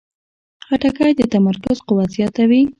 خټکی د تمرکز قوت زیاتوي.